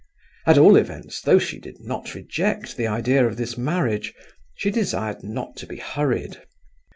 At all events, though she did not reject the idea of this marriage, she desired not to be hurried.